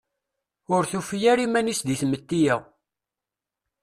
Ur tufi ara iman-is di tmetti-a.